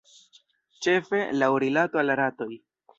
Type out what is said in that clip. Ĉefe, laŭ rilato al ratoj.